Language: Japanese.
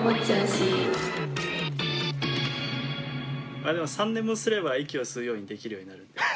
まあでも３年もすれば息を吸うようにできるようになるんで。